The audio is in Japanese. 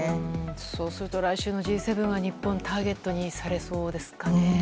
そうすると来週のＧ７は日本はターゲットにされそうですかね。